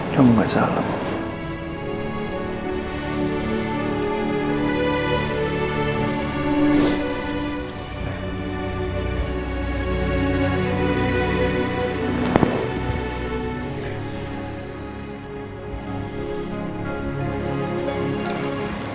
kamu gak salah wak